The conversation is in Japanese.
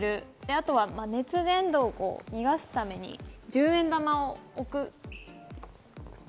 あと、熱伝導を逃がすために１０円玉を置く。